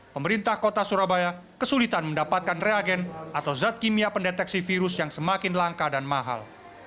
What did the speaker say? pemerintah kota surabaya kesulitan mendapatkan reagen atau zat kimia pendeteksi virus yang semakin langka dan mahal